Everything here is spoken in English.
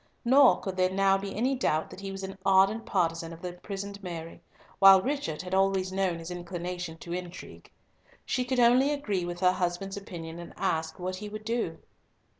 Nor could there now be any doubt that he was an ardent partisan of the imprisoned Mary, while Richard had always known his inclination to intrigue. She could only agree with her husband's opinion, and ask what he would do.